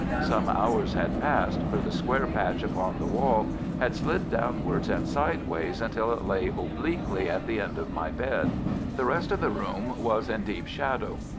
Some hours had passed, for the square patch upon the wall had slid downwards and sideways until it lay obliquely at the end of my bed. The rest of the room was in deep shadow.